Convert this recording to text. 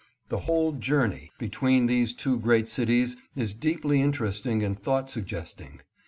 The whole journey between these two great cities is deeply interesting and thought suggesting.